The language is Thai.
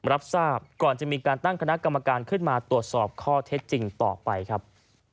รับทราบก่อนจะมีการตั้งคณะกรรมการขึ้นมาตรวจสอบข้อเท็จจริงต่อไปครับ